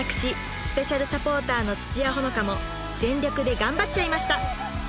スペシャルサポーターの土屋炎伽も全力で頑張っちゃいました